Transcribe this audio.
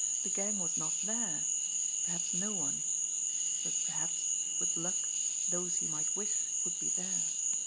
the gang was not there ... perhaps no one ... but perhaps, with luck, those he might wish would be there